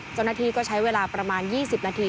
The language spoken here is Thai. เจ้าหน้าที่ก็ใช้เวลาประมาณ๒๐นาที